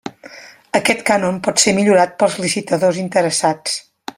Aquest cànon pot ser millorat pels licitadors interessats.